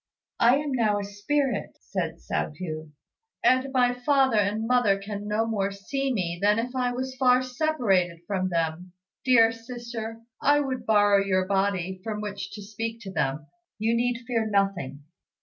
"I am now a spirit," said Hsiao hui, "and my father and mother can no more see me than if I was far separated from them. Dear sister, I would borrow your body, from which to speak to them. You need fear nothing."